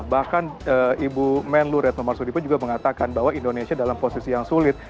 bahkan ibu menlu retno marsudipo juga mengatakan bahwa indonesia dalam posisi yang sulit